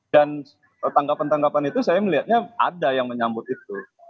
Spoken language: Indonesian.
dan tanggapan tanggapan itu saya melihatnya ada yang menyambut itu